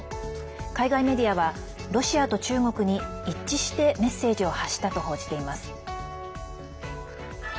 海外メディアは、ロシアと中国に一致してメッセージを発したと報じています。